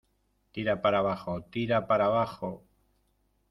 ¡ tira para abajo! ¡ tira para abajo !